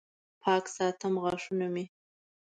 پاک ساتم غاښونه مې